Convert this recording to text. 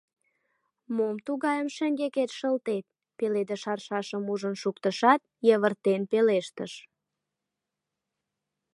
Мом тугайым шеҥгекет шылтет? — пеледыш аршашым ужын шуктышат, йывыртен пелештыш.